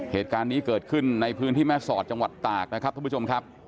เหตุการณ์นี้เกิดขึ้นในพื้นที่แม่สอดจังหวัดตากนะครับท่านผู้ชมครับ